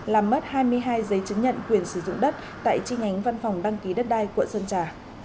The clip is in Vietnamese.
làm mất hai mươi hai giấy chứng nhận quyền sử dụng đất tại chi nhánh văn phòng đăng ký đất đai quận sơn trà